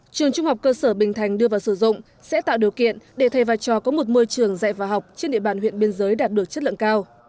trường trung học cơ sở bình thành đưa vào sử dụng sẽ tạo điều kiện để thay và cho có một môi trường dạy và học trên địa bàn huyện biên giới đạt được chất lượng cao